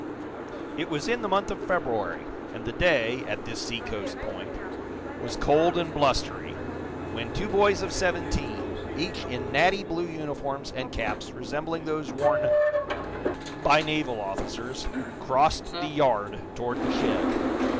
It was in the month of February, and the day, at this seacoast point, was cold and blustery, when two boys of seventeen, each in natty blue uniforms and caps resembling those worn by naval officers, crossed the yard toward the shed.